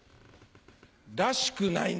らしくないね。